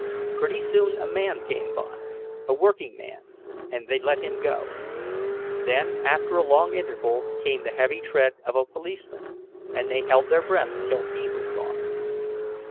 Pretty soon a man came by, a workingman—and they let him go. Then after a long interval came the heavy tread of a policeman, and they held their breath till he was gone.